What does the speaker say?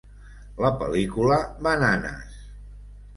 La pel·lícula Bananas!